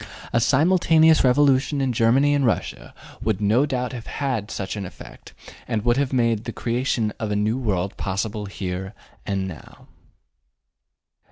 A simultaneous revolution in Germany and Russia would no doubt have had such an effect, and would have made the creation of a new world possible here and now.